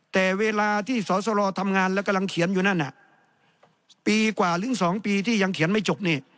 แต่เวลาที่สอสรทำงานและกำลังเขียนอยู่นั่นน่ะปีกว่าหรือ๒ปีที่ยังเขียนไม่จบนี่